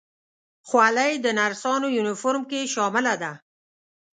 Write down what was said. خولۍ د نرسانو یونیفورم کې شامله ده.